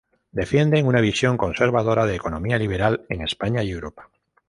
Defienden una visión conservadora de economía liberal en España y Europa.